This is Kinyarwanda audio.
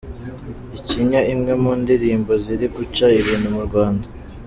Ikinya, imwe mu ndirimbo ziri guca ibintu mu Rwanda.